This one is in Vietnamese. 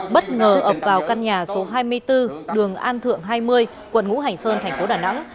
bất ngờ ập vào căn nhà số hai mươi bốn đường an thượng hai mươi quận ngũ hành sơn thành phố đà nẵng